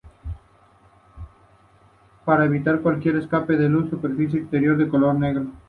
Para evitar cualquier escape de luz, la superficie exterior es de color negro.